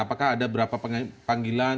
apakah ada berapa panggilan